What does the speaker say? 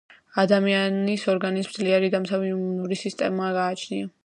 ადამიანის ორგანიზმს ძლიერი დამცავი იმუნური სისტემა გააჩნია.